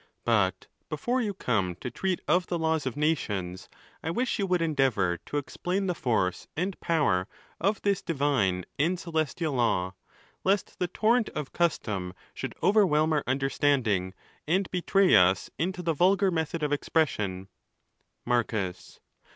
But before you come to treat of the laws of nations, I wish you would endeavour to explain the force and power of this divine and celestial law, lest the torrent of custom should overwhelm our understanding, and betray us into the vulgar method of expression. Marcus.